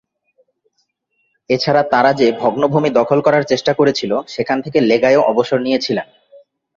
এছাড়া, তারা যে-ভগ্ন ভূমি দখল করার চেষ্টা করেছিল, সেখান থেকে লেগায়ও অবসর নিয়েছিলেন।